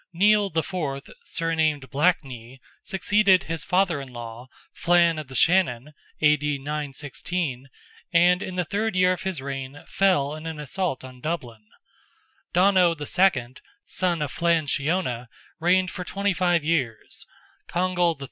Nial IV. (surnamed Black Knee) succeeded his father in law, Flan of the Shannon (A.D. 916), and in the third year of his reign fell in an assault on Dublin; Donogh II., son of Flan Siona, reigned for twenty five years; Congal III.